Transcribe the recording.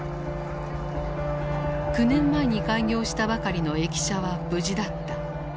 ９年前に開業したばかりの駅舎は無事だった。